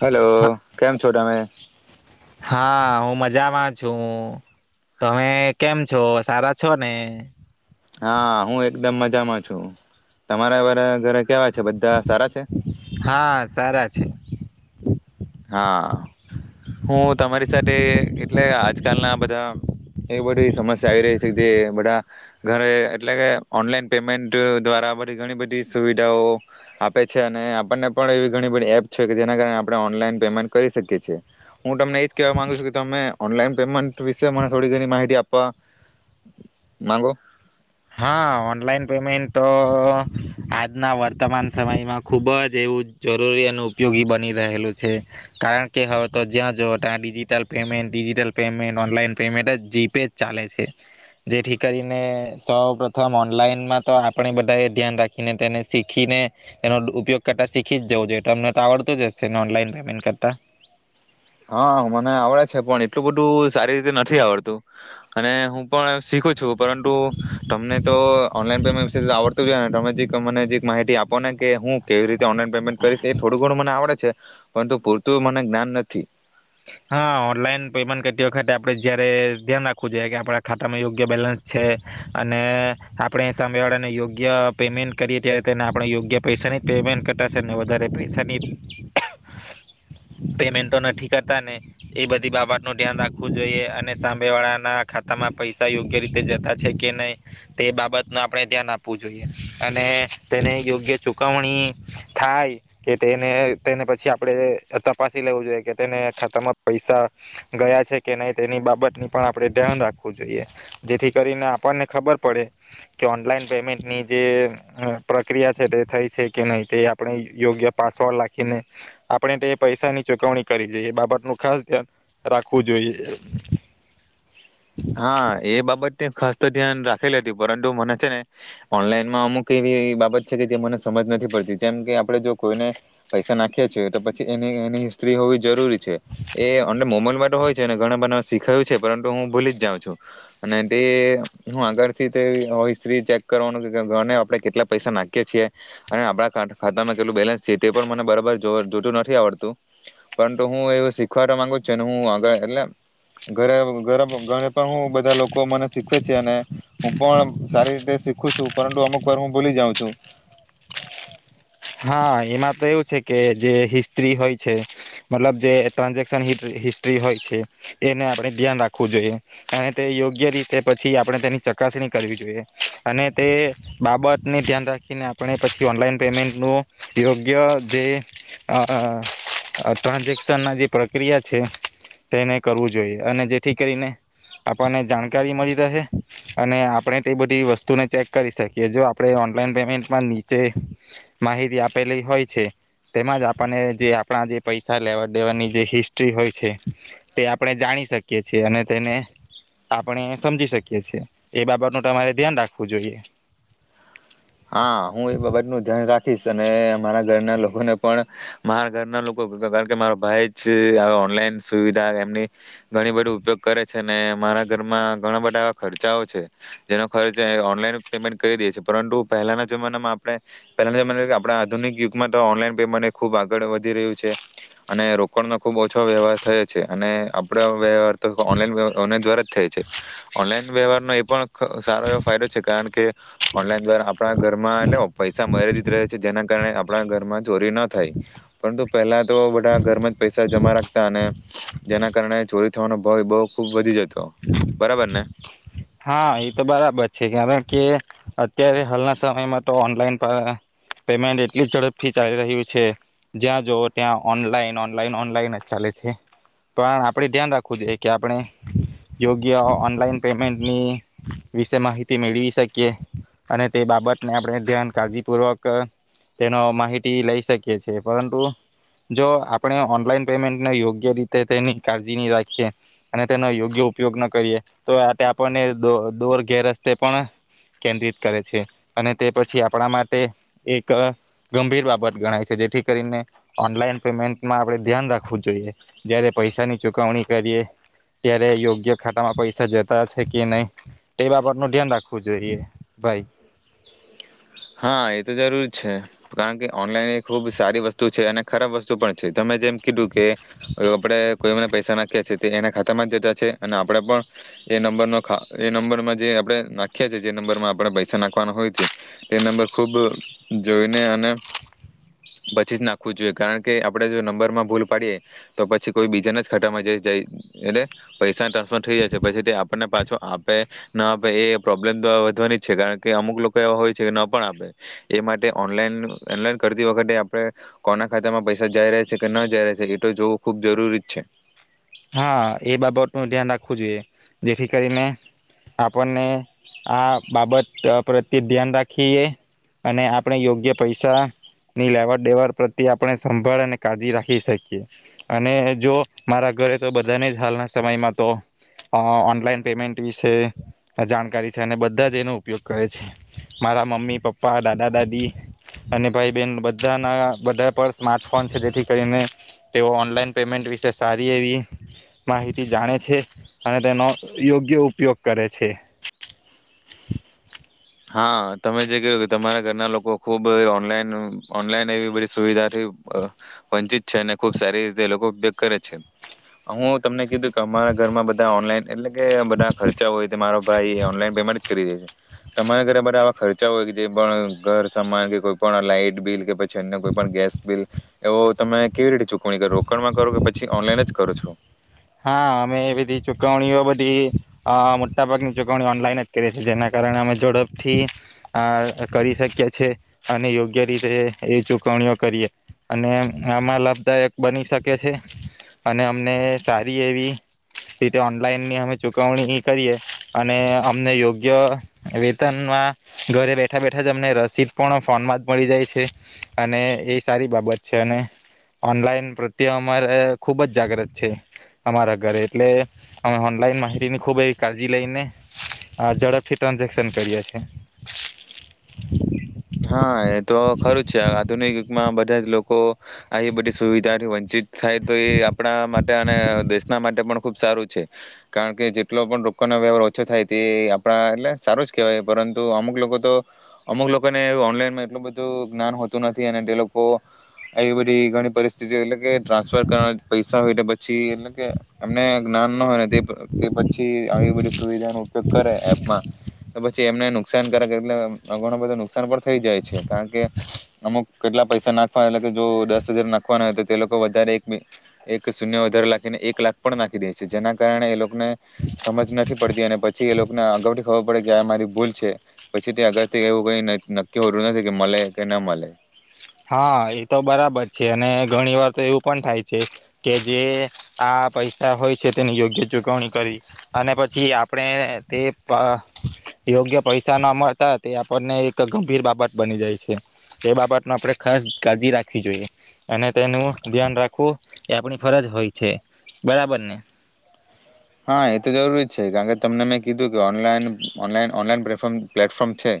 Hello કેમ છો તમે? હા હું મજામાં છું તમે કેમ છો સારા છો ને? હા હું એકદમ મજામાં છું તમારા વારા ઘરે કેવા છે બધા સારા છે હા સારા છે હા હું તમારી સાથે એટલે આજકાલના બધા એવી બધી સમસ્યા આવી રહી છે જે બધા ઘરે એટલે કે ઓનલાઈન પેમેન્ટ દ્વારા બધી ઘણી બધી સુવિધાઓ આપે છે અને આપણને પણ એવી ઘણી બઘી એપ છે કે જેના કારણે આપણે ઓનલાઈન પેમેન્ટ કરી શકીયે છે હું તમને એજ કેવા માંગુ છું કે તમે ઓનલાઈન પેમેન્ટ વિશે મને થોડી ઘણી માહિતી આપવા માંગો હા ઓનલાઈન પેમેન્ટ તો આજના વર્તમાન સમયમાં ખુબ જ એવું જરૂરી અને ઉપયોગી બની રહેલું છે, કારણ કે હવે તો જ્યાં જ ત્યાં digital payment, digital payment, online payment, જ જીપે જ ચાલે છે જેથી કરીને સૌ પ્રથમ ઓનલાઈનમાં તો આપણે બધા ધ્યાન રાખીને તેને શીખીને એનો ઉપયોગ કરતા શીખી જ જવું જોઈએ, તો અમને તો આવડતું જ હશે ઓનલાઈન પેમેન્ટ કરતા? હા, મને આવડે છે, પણ એટલું બધું સારી રીતે નથી આવડતું અને હું પણ શીખું છું. પરંતુ તમને તો ઓનલાઈન પેમેન્ટ વિશે આવડતું જ ને? તમેજીક મને જે એક માહિતી આપો ને કે હું કેવી રીતે? ઓનલાઈનેમેન્ટ કરીશ એ થોડું ઘણું મનેડે છે. પરંતુ પૂરતું મને જ્ઞાન નથી. હા, ઓનલાઈન પેમેન્ટ કરતી વખતે આપડે જયારે ધ્યાન રાખવું જોઈએ કે આપડા ખાતામાં યોગ્ય બેલેન્સ છે, અને આપડણે સામે વાળા ને યોગ્ય પેમેન્ટ કરીએ ત્યારે તેને આપણે યોગ્ય પૈસાની પેમેન્ટ કરશે વધારે પૈસાની પેમેન્ટો નથી. ને એ બધી બાબત નું ધ્યાન રાખવું જોઈએ અને સાંભે વાળા ના ખાતામાં પૈસા યોગ્ય રીતે જતા છે, કે નહી તે બાબત ન આપણે ધ્યાન આપવું જોઈએ અને તેને યોગ્ય ચુકવણી થાય કે તેને તેને પછી આપણેે તપાસી લેવું જોઈએ કે તે ખાતામાં પૈસા ગયા છે, કે નહી તેની બાબતની પણ આપણે ધ્યાન રાખવું જોઈએ જેથી કરીને આપણને ખબર પડે કે ઓનલાઈન પેમેન્ટની જે પ્રક્રિયા છે તે થઈ છે કે નહી તે આપણે યોગ્ય પાસવર્ડ લખીને આપણે તે પૈસાની ચુકવણી કરી જઈએ એ બાબત નું ખાસ ધ્યાન રાખવું જોઈએ. હા એ બાબત ખાસ તો ધ્યાન રાખેલી હતી. પરંતુ મને છે ને ઓનલાઈનમાં અમુક એવી બાબત છે કે જે મને સમજ નથી પડતી જેમ કે આપડણે જો કોઈને પૈસા નાખીએ છીએ તો પછી એની એની હિસ્ટ્રી હોવી જરૂરી એ અંદર મોબાઈલમાં હોય છે અને ઘણા બધને શીખાયું છે, પરંતુ હું ભૂલી જ તે હું આગળથી હિસ્ટ્રી ચેક કરવાનું ગણે આપણે કેટલા પૈસા નાખીએ છીએ અને આપડા ખાતામાં કેટલું બેલેન્સ છે. તે પણ મને બરાબર જોતું નથી આવડતું પરંતુ હું એવું શીખવા માંગુ છું હું આ એટલે ઘરે ઘરે પણ હું બધા લોકો મને શીખવે છે, અને હું પણ સારી રીતે શીખું છું પરંતુ અમુક વાર હું ભોલી જાઉં છું. હા એમાં તો એવું છે કે જે હિસ્ટ્રી હોય છે. મતલબ જે ટ્રાન્ઝેક્શન હિસ્ટ્રી હોય છે, એને આપણે ધ્યાન રાખવું જોઈએ અને તે યોગ્ય રીતે પછી આપણે તેની ચકાસણી કરવી જોઈએ અને તે બાબતને ધ્યાન રાખીને આપણે પછી ઓનલાઈન પેમેન્ટ યોગ્ય જે ટ્રાન્ઝેક્શન ના જે પ્રક્રિયા છે તેને કરવું જોઈએ અને જેથી કરીને આપણને જાણકારી મળી રહે અને આપણે તે બધી વસ્તુને ચેક કરી શકીએ જો આપણે ઓનલાઈન પેમેન્ટમાં નીચે માહિતી આપેલી હોય છે, તેમાંજ આપણને જે આપણા જે પૈસા લેવા દેવાની જે હિસ્ટ્રી હોય છે, તે આપણે જાણી શકીએ છીએ અને તેને આપણે સમજી શકીએ છીએ એ બાબતનું તમારે ધ્યાન રાખવું જોઈએ. હા હું એ બાબત નું ધ્યાન રાખ [inaudible] અને મારા ઘરના લોકોને પણ મારા ઘરના લોકો કારણ કે મારા ભાઈ જ ઓનલાઈન સુવિધા એમની ઘણી બધી ઉપયોગ કરે છે અને મારા ઘરમાં ઘણા બધા ખર્ચાઓ છે જેનો ખર્ચ ઓનલાઈન પેમેન્ટ કરી દે છે પરંતુ પહેલાના જમાનામાં આપણે પહેલાના જમાના આપણા આધુનિક યુગમાં તો ઓનલાઈન પેમેન્ટ ખૂબ આગળ વધી રહ્યું છે અને રોકડનો ખૂબ ઓછો વ્યવહાર થયો છે અને આપડ વ્યવહ તો ઓનલાઈન [unintelligible] ઓનલાઇન દ્વારા જ થાય છે ઓનલાઈન વ્યવહાર નો એ પણ સારો એવો ફાયદો છે કારણ કે ઓનલાઈન દ્વારા મા એટલે પૈસા મર્યાદિત રહે છે જેના કારણે આપણા ઘરમાં ચોરી ન થાય પરંતુ પેલા તો બધા ઘરમાં જ પૈસા જમા રાખ રાખતા અને જેના કારણે ચોરી થવાનો ભય બવ ખુબ વધી જતો. તો બરાબર ને. હા એ તો બરાબર છે કારણ કે અત્યારે હાલના સમયમાં તો ઓનલાઈન પેમેન્ટ એટલી ઝડપથી ચાલી રહ્યું છે જ્યાં જોવો ત્યાં ઓનલાઈન-ઓનલાઈન ઓનલાઈન જ ચાલે છે પણ આપડે ધ્યાન રાખવું જોઈએ કે આપણે યોગ્ય ઓનલાઈન પેમેન્ટ ની વિશે માહિતી મેળવી શકીએ અને તે બાબતને આપણે ધ્યાન કાળજીપૂર્વક તેનો માહિતી લઈ શકીએ છે પરંતુ જો આપણે ઓનલાઈન પેમેન્ટને યોગ્ય રીતે તેની કાળજી ની રાખીએ અને તેનો યોગ્ય ઉપયોગ ન કરીએ તો આ આપણને દોર ગેર રસ્તે પણ કેન્દ્રિત કરે છે અને તે પછી આપણા માટે એક ગંભીર બાબત ગણાય છે જેથી કરીને ઓનલાઈન પેમેન્ટમાં આપણે ધ્યાન રાખવું જોઈએ જય્યારે પૈસાની ચુકવણી કરીએ ત્યારે યોગ્ય ખાતામાં પૈસા જતા થકીયે નહી તે બાબત નું ધ્યાન રાખવું જોઈએ ભાઈ. હા એ તો જરૂરી છે કારણ કે ઓનલાઈન એ ખુબ સારી વસ્તુ છે અને ખરાબ વસ્તુ પણ છે તમે જેમ કીધું કે આપડે કોઈ મને પૈસા નાખ્યા છે તે એના ખાતામાં જ જતા છે અને આપણેે પણ એ નંબર એ નંબરમાં જે આપણે નાખ્યા છે જે નંબરમાં આપણે પૈસા નાખવાનો હોય છે. તે નંબર ખુબ જોઈને અને પછી જ નાખવું જોઈએ કારણ કે આપડે જો નંબરમાં ભૂલ પાડીએ તો પછી કોઈ બીજાના જ ખાતામાં જ જાય એટલે પૈસા ટ્રાન્સફર થઈ જાય છે પછી તે આપણને પાછો આપે ન આપે એ પ્રોબ્લેમ વધવાની જ છે કારણ કે અમુક લોકો એવા હોય કે ન પણ આપે એ માટે ઓનલાઈન ઓનલાઈન કરતી વખતે આપણે કોના ખાતામાં પૈસા જઈ રહે છે કે ન જઈ રહે છે એ તો જોવું ખુબ જરૂરી જ છે. હા એ બાબતનું ધ્યાન રાખવું જોઈએ જેથી કરીને આપણને આ બાબત પ્રત્યે ધ્યાન રાખીએ અને આપણે યોગ્ય પૈસા ની લેવાડ દેવડ પ્રત્યે આપણે સંભાળ અને કાળજી રાખી શકીએ અને જો મારા ઘરે તો બધાને જ હાલના સમયમાં તો ઓનલાઈન પેમેન્ટ વિશે જાણકારી છે અને બધા જ એનો ઉપયોગ કરે છે મારા મમ્મી, પપ્પા, દાદા, દાદી અને ભાઈ, બહેન બધાના બધા પર સ્માર્ટફોન છે જેથી કરીને તેઓ ઓનલાઈન પેમેન્ટ વિશે સારી એવી માહિતી જાણે છે અને તેનો યોગ્ય ઉપયોગ કરે છે. હા તમે જે ક્યું કે તમારા ઘરના લોકો ખુબ ઓનલાઈન ઓનલાઈન એવી બધી સુવિધાથીઅ વંચિત છે અને ખુબ સારી રીતે એ લોકો ઉપયોગ કરે છે. હું તમને કીધું કે અમારા ઘરમાં બધા ઓનલાઈન એટલે કે બધા ખર્ચા હોય તો મારો ભાઈ ઓનલાઈન પેમેન્ટ કરી દે છે. તમારા ઘરે બ આવા ખર્ચા હોય કે જે પણ ઘર સમાન કે કોઈ પણ લાઈટ બિલ કે પછી છેને કોઈ પણ ગેસ બિલ એવો તમે કેવી રીતે ચુક કો રોકણમાં કરો પી ઓનલાઈન કરું છું. હા અમે એ બધી ચુકવણીઓ બધી, મોટા ભાગની ચૂકવણીઓ ઓનલાઈન જ કરીએ છીએ જેના કારણે અમે ઝડપથી કરી શકીએ છીએ અને યોગ્ય રીતે એ ચુકવણીઓ કરીએ અને આમાં લાભદાયક બની શકે છે, અને અમને સારી એવી રીતે ઓનલાઈનની અમે ચૂકવણી કરીએ અને અમને યોગ્ય વેતનમાં ઘરે બેઠા બેઠા જ અમને રસીદ પણ ફોનમાં જ મળી જાય છે, અને એ સારી બાબત છે અને ઓનલાઈન પ્રત્યે અમારે ખૂબ જ જાગ્રત છે. અમારા ઘરે એટલે, અમે ઓનલાઈન માહિતીની ખુબ કાળજી લઈને ઝડપથી ટ્રાન્ઝેક્શન કરીએ છીએ. હા એ તો ખરું જ છે આધુનિક યુગમાં બધા જ લોકો, આ બધી સુવિધાથી વંચિત થાય તો એ આપણા માટે અને દેશના માટે પણ ખુબ સારું છે, કારણ કે જેટલો પણ રોનો વ્યવહાર ઓછો થાય તે આપણા એટલે સારો જ કેહેવાય પરંતુ અમુક લોકો તો, અમુક લોકો ઓનલાઈનમાં એટલું બધું જ્ઞાન હોતું નથી અને તે લોકો, એ બધી ઘણી પરિસ્થિતિ એટલે કે ટ્રાન્સફર કરવા પૈસા હોય પછી એટલે કે એમને જ્ઞાન ના હોયને તે પછી આવી બધી સુવિધા ન ઉપયોગ કરે એપમાં, તો પછી એમને સન કર એટલે ઘણ બધા [unintelligible] થઈ જાય છે, કારણ કે અમુક કેટલા પૈસા નાખવાના કે જો દસ હજાર નાખવાના હોય તો તે લોકો વધારે એક, એક શૂન્ય વધારે લખીને એક લાખ પણ નાખી દે છે જેના કારણે એ લોકો સમજ નથી પડતી અને પછી એ લોકોને આગળથી ખબર પડે કે આ મારી ભૂલ છે, પછી તે અગળથી એવું કઈ નથી. નક્કી હોરું નથી કે મલે કે ના મળલે. હા એ તો બરાબર છે અને ઘણી વાર તો એવું પણ થાય છે, કે જે આ પૈસા હોય છે તેની કરી, અને પછી આપણે તે યોગ્ય પૈસા ના મળતા તે આપણને એક ગંભીર બાબત બની જાય છે, તે બાબતનું આપણે ખાસ કાળજી રાખવી જોઈએ, અને તેનું ધ્યાન રાખવું એ આપણી ફરજ હોય છે બરાબર ને. હા એ તો જરૂરી છે કારણ કે તમને મેં કીધું કે ઓનલાઈન ઓનલાન ઓનલાઈન પ્મ પ્લેટફોર્મ છે,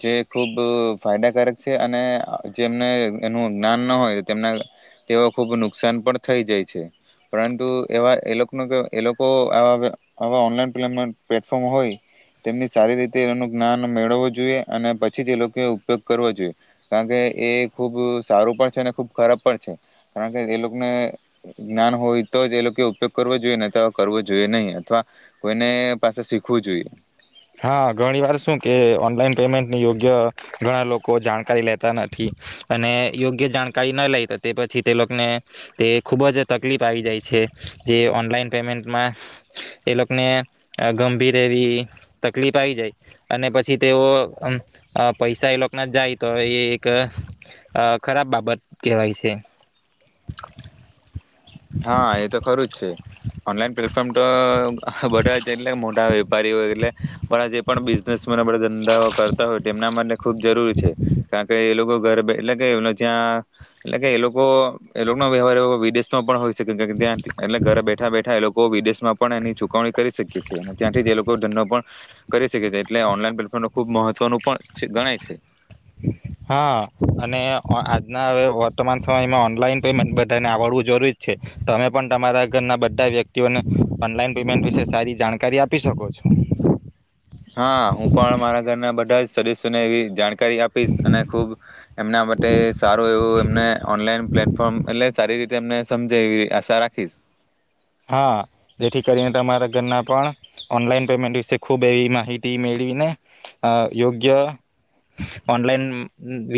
જે ખૂબ ફાયદાકારક છે અને જેમને એનું જ્ઞાન ન હોય તેમના, તેઓ ખૂબ નુકસાન પણ થઈ જાય છે, પરંતુ એવા એ લોકોનું એ ઓનલાઈન પેમેન્ટ પ્લેટફોર્મ હોય, તેમની સારી રીતે એનું જ્ઞાન મેળવવું જોઈએ અને પછી જ એ લોકો ઉપયોગ કરવો જોઈએ, કારણ કે એ ખૂબ સારું પણ છે અને ખૂબ ખરાબ પણ છે, કારણ કે એ લોકોને જ્ઞાન હોય તો જ એ લોકો ઉપયોગ કરવો જોઈએ તો કરવું જોઈએ નહી અથવા, કોઈને પાસે શીખવું જોઈએ. હા ઘણી વાર શું કે ઓનલાઈન પેમેન્ટની યોગ્ય, ઘણા લોકો જાણકારી લેતા નથી, અને યોગ્ય જાણકારી ના લેતા તે પછી તે લોકોને તે ખુબ જ તકલીફ આવી જાય છે જે ઓનલાઈન પેમેન્ટમાં, એ લોકોને ગંભીર એવી તકલીફ આવી જાય, અને પછી તેઓ પૈસા એ લોકોક ના જ જાય તો એ એક ખરાબ બાબત કેહેવાય છે. હા એ તો ખરું જ છે, ઓનલાઈન પ્લેટફોર્મ તો બધા જ એટલે, મોટા વેપારીઓ એટલે બા જે પણ બા ધંધાઓ કરતા હોય તેમના માટે ખુબ જરૂરી છે, કારણ કે એ લોકો ગર એટલે કે એ જ્યાં એટલે કે એ લોકો એ લોકોનો વ્યવહાર એવ વિદેશ પણ હોય છે. ત્યાં એટલે ઘરે બેઠા બેઠા એ લોકો કો વિદેશ માં પણ એની ચૂકવણી કરી શકીએ છીએ અને ત્યાંથી જે એ લોકો ો પણ, કરી શકે છે એટલે ઓનલાઈન પ્લેટફોર્મ ખબ મહત્વનું પણ ગણાય છે. હા અને આજના હ વર્તમાન સમયમાં ઓનલાઈન પેમેન્ટ બધાને આવડવું જરૂરીત છે, તમે પણ તમારા ઘરના બધા વ્યક્તિઓને ઓનલાઈન પેમેન્ટ વિશે સારી જાણકારી આપી શકો છો. હા હું પણ મારા ઘરના બધા જ સદસ્યો ને એવી જાણ કરી આપીશ અને ખૂબ, એમના માટે સારું એવું એમને ઓનલાઈન પ્લેટફોર્મ એટલે સારી રીતે એમને સમજે એવી આશા રાખીશ. હા જેથી કરીને તમારા ઘરના પણ, ઓનલાઈન પેમેન્ટ વિશે ખુબ એવી માહિતી મેળવીને, યોગ્ય ઓનલાઈન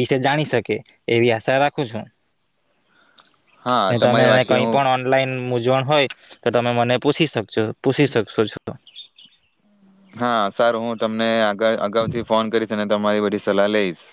વિશે જાણી શકે એવી આશા રાખું છું. હા તમે તમારી એને વાતથી કઈ હું પણ ઓનલાઈન મુ જો હોય, તો તમે મને પૂછી શકો પૂછી શકશો છો. હા સારું હું તમને આગળ અગાઉથી ફોન કરીશ અને તમારી બધી સલાહ લઈશ.